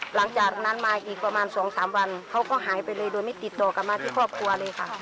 หลังจากนั้นมาอีกประมาณ๒๓วันเขาก็หายไปเลยโดยไม่ติดต่อกลับมาที่ครอบครัวเลยค่ะ